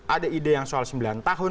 ada ide yang soal sembilan tahun